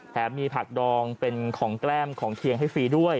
มีผักดองเป็นของแก้มของเคียงให้ฟรีด้วย